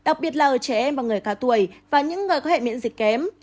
đặc biệt là ở trẻ em và người cao tuổi và những người có hệ miễn dịch kém